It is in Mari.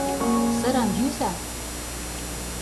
Сырам йӱза!..